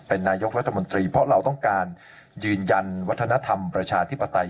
เป็นนายกรัฐมนตรีเพราะเราต้องการยืนยันวัฒนธรรมประชาธิปไตย